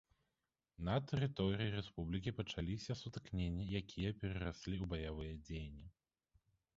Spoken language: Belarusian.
На тэрыторыі рэспублікі пачаліся сутыкненні, якія перараслі ў баявыя дзеянні.